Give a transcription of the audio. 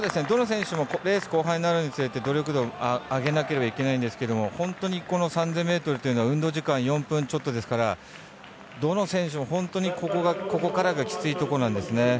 どの選手もレース後半になるにつれて努力度、上げなければいけないんですが３０００ｍというのは運動時間４分ちょっとですからどの選手も本当にここからがきついところなんですね。